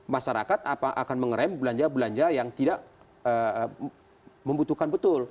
ya jadi itu akan mengerem belanja belanja yang tidak membutuhkan betul